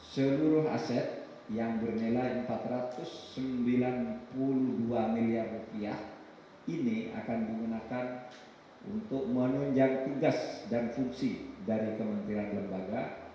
seluruh aset yang bernilai rp empat ratus sembilan puluh dua miliar ini akan digunakan untuk menunjang tugas dan fungsi dari kementerian lembaga